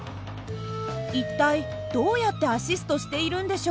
一体どうやってアシストしているんでしょうか？